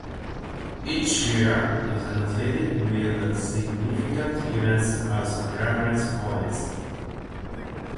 Each year is annotated with significant events as reference points.